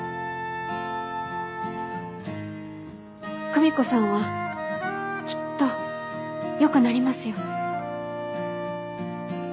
久美子さんはきっとよくなりますよ。